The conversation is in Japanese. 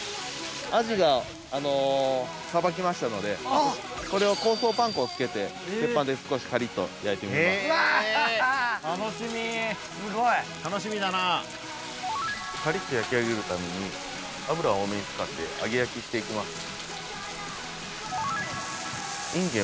アジがあのさばきましたのでこれを香草パン粉を付けて鉄板で少しカリッと焼いてみます・へえ楽しみ・すごい・楽しみだなカリッと焼き上げるために油を多めに使って揚げ焼きしていきます